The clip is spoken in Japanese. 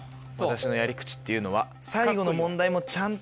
私のやり口っていうのは。